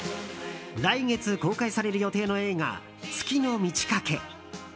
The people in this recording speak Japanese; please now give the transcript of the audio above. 来月公開される予定の映画「月の満ち欠け」。